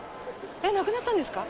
えっ、亡くなったんですか？